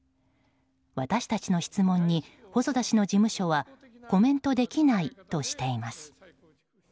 私たちの質問に細田氏の事務所はコメントできないとしています。